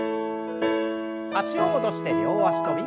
脚を戻して両脚跳び。